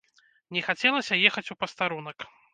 Не хацелася ехаць у пастарунак.